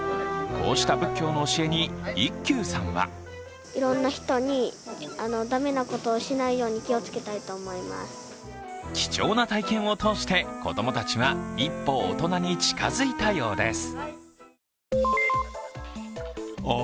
こうした仏教の教えに一休さんは貴重な体験を通して、子供たちは一歩大人に近づいたようです。